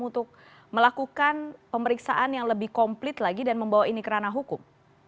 untuk melakukan pemeriksaan yang lebih komplit lagi dan membawa ini kerana hukum